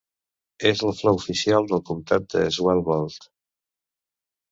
És la flor oficial del comtat de Svalbard.